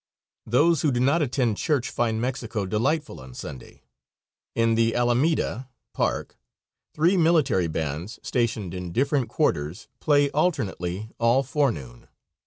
Those who do not attend church find Mexico delightful on Sunday. In the alameda (park) three military bands, stationed in different quarters, play alternately all forenoon.